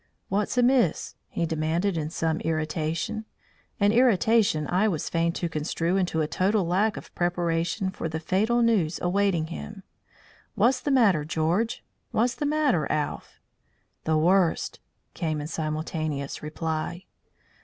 "What's amiss?" he demanded in some irritation an irritation I was fain to construe into a total lack of preparation for the fatal news awaiting him. "What's the matter, George? What's the matter, Alph?" "The worst!" came in simultaneous reply.